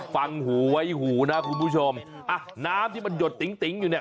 ฟังหูไว้หูนะคุณผู้ชมอ่ะน้ำที่มันหยดติ๋งติ๋งอยู่เนี่ย